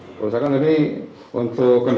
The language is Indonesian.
apa kerupakannya pak kerusakan ini